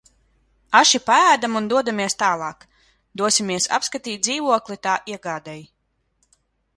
Aši paēdam un dodamies tālāk - dosimies apskatīt dzīvokli tā iegādei.